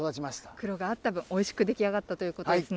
苦労があった分、おいしく出来上がったということですね。